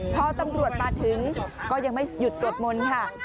พอตำรวจมาถึงก็ยังไม่หยุดสวดมนต์ค่ะ